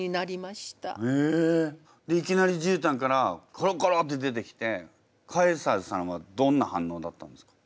でいきなりじゅうたんからコロコロって出てきてカエサルさんはどんな反応だったんですか？